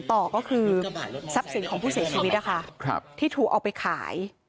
ต่อก็คือทรัพย์สินของผู้เสียชีวิตนะคะที่ถูกเอาไปขาย